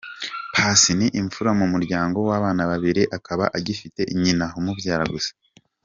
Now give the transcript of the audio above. Paccy ni imfura mu muryango w’abana babiri, akaba agifite nyina umubyara gusa.